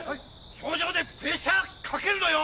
表情でプレッシャーかけるのよ！